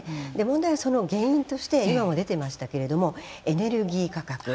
問題はその原因として今も出ていましたけれどもエネルギー価格。